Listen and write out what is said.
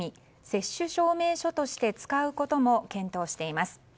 接種証明書として使うことも検討しています。